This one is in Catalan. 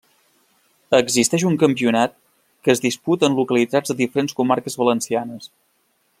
Existeix un campionat que es disputa en localitats de diferents comarques valencianes.